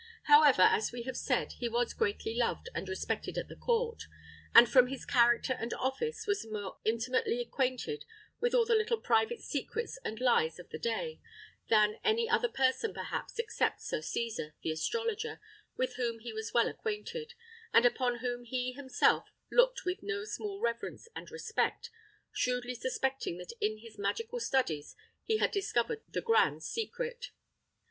However, as we have said, he was greatly loved and respected at the court; and, from his character and office, was more intimately acquainted with all the little private secrets and lies of the day than any other person perhaps, except Sir Cesar, the astrologer, with whom he was well acquainted, and upon whom he himself looked with no small reverence and respect, shrewdly suspecting that in his magical studies he had discovered the grand secret.